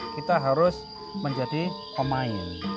kita harus menjadi pemain